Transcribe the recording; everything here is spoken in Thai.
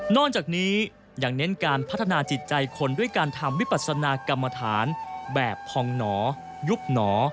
จากนี้ยังเน้นการพัฒนาจิตใจคนด้วยการทำวิปัสนากรรมฐานแบบพองหนอยุบหนอ